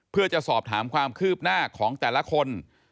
เพื่อจะสอบถามความคืบหน้าของแต่ละคน